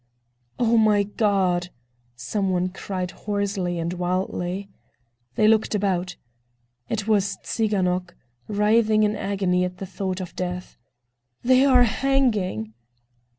"Oh, my God!" some one cried hoarsely and wildly. They looked about. It was Tsiganok, writhing in agony at the thought of death. "They are hanging!"